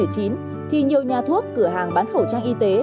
thì nhiều nhà thuốc cửa hàng bán khẩu trang y tế